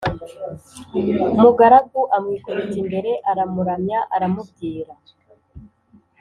mugaragu amwikubita imbere aramuramya aramubwira